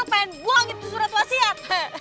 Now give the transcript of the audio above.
nggak ada buktinya nyomut